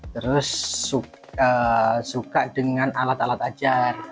terus suka dengan alat alat ajar